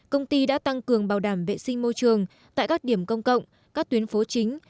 công ty đã tăng cường bảo đảm vệ sinh môi trường tại các điểm công cộng các tuyến phố chính